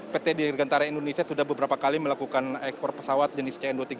pt dirgantara indonesia sudah beberapa kali melakukan ekspor pesawat jenis cn dua ratus tiga puluh